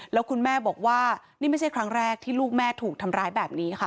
แล้วคุณแม่บอกว่านี่ไม่ใช่ครั้งแรกที่ลูกแม่ถูกทำร้ายแบบนี้ค่ะ